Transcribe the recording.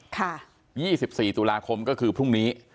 ค่ะยี่สิบสี่ตุลาคมก็คือพรุ่งนี้